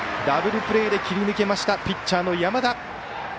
ダブルプレーで切り抜けましたピッチャーの山田。